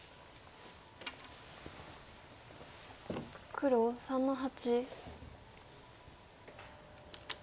黒３の八。